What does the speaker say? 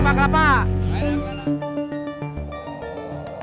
lapa kelapa kelapa